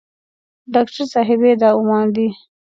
ډاکټر صاحبې دا عمان دی.